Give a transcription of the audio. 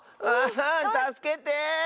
たすけて！